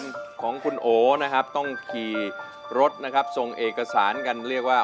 ของคุณโอนะครับต้องขี่รถนะครับส่งเอกสารกันเรียกว่า